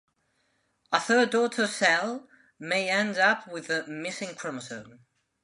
A third daughter cell may end up with the 'missing' chromosome.